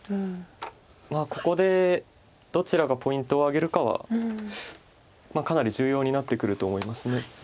ここでどちらがポイントを挙げるかはかなり重要になってくると思います。